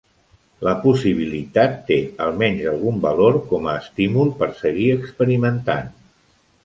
La possibilitat té almenys algun valor com a estímul per seguir experimentant.